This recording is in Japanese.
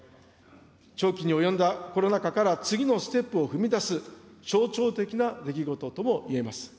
長期に及んだコロナ禍から、次のステップを踏み出す象徴的な出来事ともいえます。